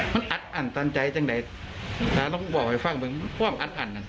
มันอัดอันตันใจจังได้แล้วต้องบอกให้ฟังมึงว่าอัดอันอ่ะ